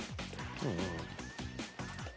うんうん。